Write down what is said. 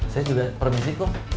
saya juga permisi kum